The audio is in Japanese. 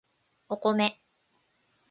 お米